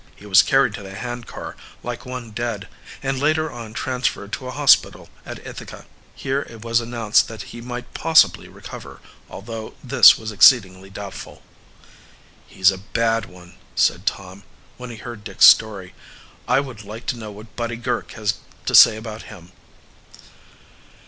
He was carried to the hand car like one dead, and later on transferred to a hospital at Ithaca. Here it was announced that he might possibly recover, although this was exceedingly doubtful. "He's a bad one," said Tom, when he heard Dick's story. "I would like to know what Buddy Girk has to say about him."